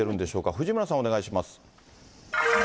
藤村さん、お願いします。